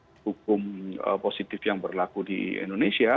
proses hukum positif yang berlaku di indonesia